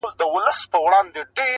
د شرابو خُم پر سر واړوه یاره.